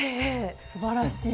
すばらしい。